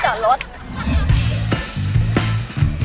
โอ้โฮพี่จอดรถ